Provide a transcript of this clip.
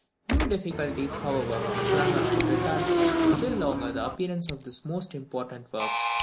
New difficulties, however, sprung up to retard still longer the appearance of this most important work.